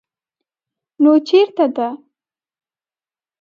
_نو چېرته ده؟